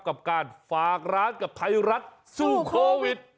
กับการฝากร้านกับไทยรัฐสู้โควิด